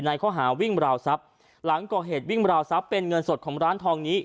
ข้อหาวิ่งราวทรัพย์หลังก่อเหตุวิ่งราวทรัพย์เป็นเงินสดของร้านทองนี้